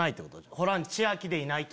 ホラン千秋でいないと！